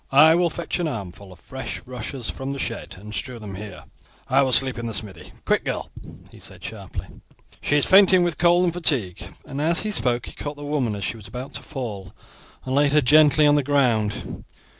I will fetch an armful of fresh rushes from the shed and strew them here: I will sleep in the smithy. Quick, girl," he said sharply; "she is fainting with cold and fatigue." And as he spoke he caught the woman as she was about to fall, and laid her gently on the ground.